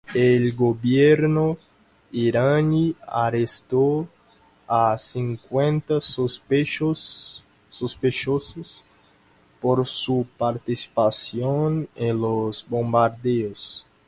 El gobierno iraní arrestó a cincuenta sospechosos por su participación en los bombardeos.